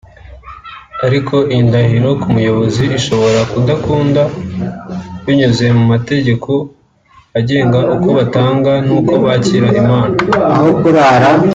ariko iyi ndahiro ku muyobozi ishobora kudakunda binyuze mu mategeko agenga uko batanga n’uko bakira impano